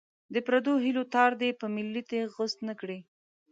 د پردو هیلو تار دې په ملي تېغ غوڅ نه کړي.